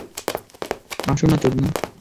আস না, চোদনা!